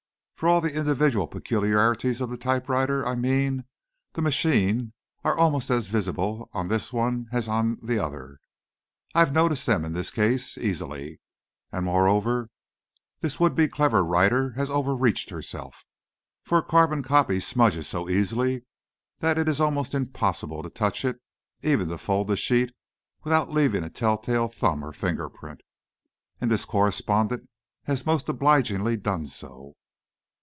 For all the individual peculiarities of the typewriter, I mean, the machine, are almost as visible on this as on the other. I've noticed them in this case, easily. And moreover, this would be clever writer has overreached herself! For a carbon copy smudges so easily that it is almost impossible to touch it, even to fold the sheet, without leaving a telltale thumb or finger print! And this correspondent has most obligingly done so!"